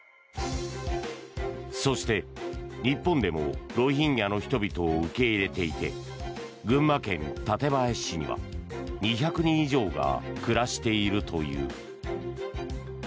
そして、日本でもロヒンギャの人々を受け入れていて群馬県館林市には２００人以上が暮らしているという。